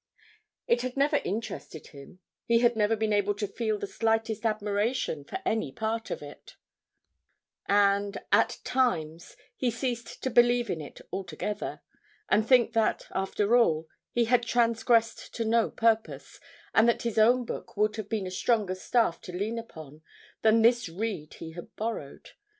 It had never interested him; he had never been able to feel the slightest admiration for any part of it, and at times he ceased to believe in it altogether, and think that, after all, he had transgressed to no purpose, and that his own book would have been a stronger staff to lean upon than this reed he had borrowed.